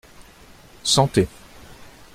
Santé !